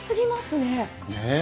ねえ。